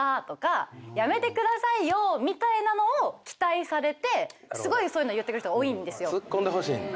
みたいなのを期待されてすごいそういうの言ってくる人が多いんですよ。